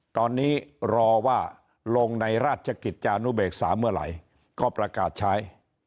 ตอนนี้รอว่าลงในราชกิจจานุเบกษาเมื่อไหร่ก็ประกาศใช้